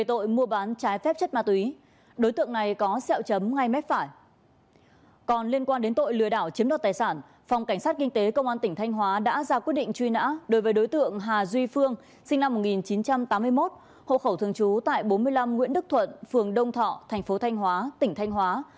tổng cảnh sát kinh tế công an tỉnh thanh hóa đã ra quyết định truy nã đối với đối tượng hà duy phương sinh năm một nghìn chín trăm tám mươi một hộ khẩu thường trú tại bốn mươi năm nguyễn đức thuận phường đông thọ thành phố thanh hóa tỉnh thanh hóa